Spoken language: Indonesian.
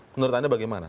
menurut anda bagaimana